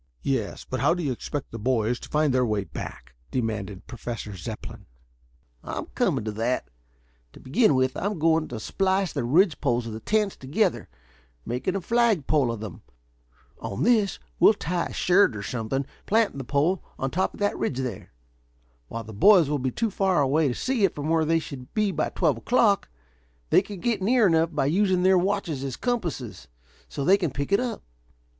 "Yes, but how do you expect the boys to find their way hack?" demanded Professor Zepplin. "I'm coming to that. To begin with, I'm going to splice the ridge poles of the tents together, making a flagpole of them. On this we'll tie a shirt or something, planting the pole on the top of that ridge there. While the boys will be too far away to see it from where they should be by twelve o'clock, they can get near enough, by using their watches as compasses, so they can pick it up.